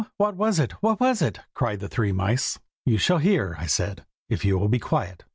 what was it? what was it?" cried the three mice. "You shall hear," I said, "if you will be quiet.